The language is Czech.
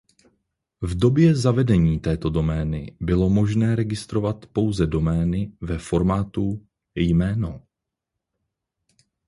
V době zavedení této domény bylo možné registrovat pouze domény ve formátu "jméno".